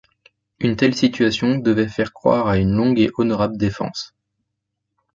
Une telle situation devait faire croire à une longue et honorable défense.